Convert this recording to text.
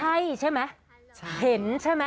ใช่ใช่มั้ยเห็นใช่มั้ย